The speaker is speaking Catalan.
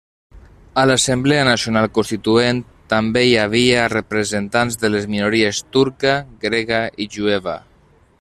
A l'Assemblea Nacional Constituent també hi havia representants de les minories turca, grega i jueva.